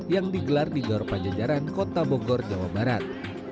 yang digelar di gaur panjajaran kota bogor jawa barat